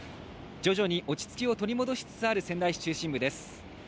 徐々に落ち着きを取り戻しつつある仙台市です。